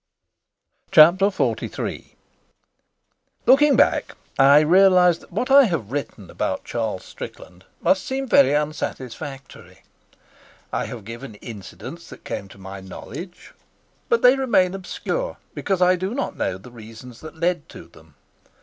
Chapter XLIII Looking back, I realise that what I have written about Charles Strickland must seem very unsatisfactory. I have given incidents that came to my knowledge, but they remain obscure because I do not know the reasons that led to them.